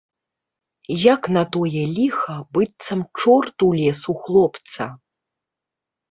Як на тое ліха, быццам чорт улез у хлопца.